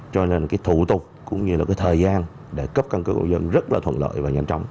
cho nên cái thủ tục cũng như là cái thời gian để cấp căn cước công dân rất là thuận lợi và nhanh chóng